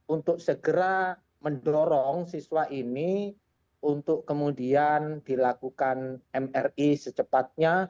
untuk segera mendorong siswa ini untuk kemudian dilakukan mri secepatnya